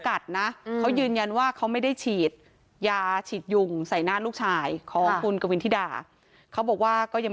คือตำรวจที่อยู่ในคลิปนะคะเขาบอกแค่ว่าเขาพร้อมให้ข้อมูลนะ